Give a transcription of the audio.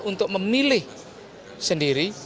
untuk memilih sendiri